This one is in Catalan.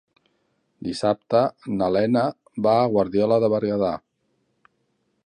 Dissabte na Lena va a Guardiola de Berguedà.